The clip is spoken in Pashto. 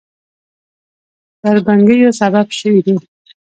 تربګنیو سبب شوي دي.